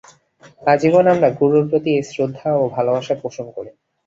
আজীবন আমরা গুরুর প্রতি এই শ্রদ্ধা ও ভালবাসা পোষণ করি।